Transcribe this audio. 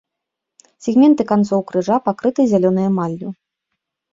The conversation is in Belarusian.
Сегменты канцоў крыжа пакрыты зялёнай эмаллю.